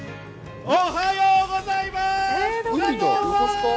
おはようございます。